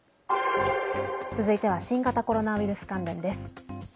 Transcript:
続いては新型コロナウイルス関連です。